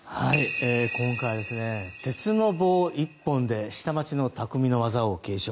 今回は、鉄の棒１本で下町のたくみの技を継承。